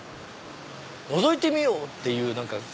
「のぞいてみよう」っていう。